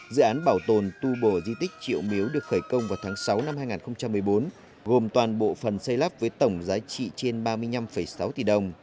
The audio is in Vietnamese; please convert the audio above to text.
dự án bảo tồn tu bổ di tích triệu miếu được khởi công vào tháng sáu năm hai nghìn một mươi bốn gồm toàn bộ phần xây lắp với tổng giá trị trên ba mươi năm sáu tỷ đồng